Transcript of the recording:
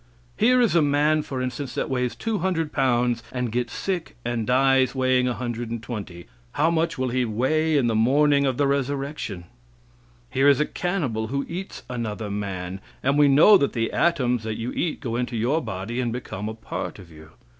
Here is a man, for instance, that weighs 200 pounds, and gets sick and dies weighing 120; how much will he weigh in the morning of the resurrection? Here is a cannibal, who eats another man; and we know that the atoms that you eat go into your body and become a part of you.